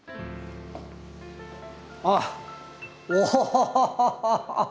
あっ。おっ！